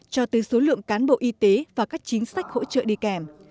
cho tới số lượng cán bộ y tế và các chính sách hỗ trợ đi kèm